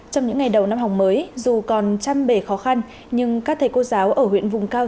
trong những ngày đầu năm học mới dù còn chăm bề khó khăn nhưng các thầy cô giáo ở huyện vùng cao